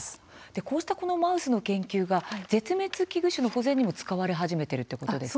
こうしたマウスの研究は絶滅危惧種の保全にも使われ始めているんですか。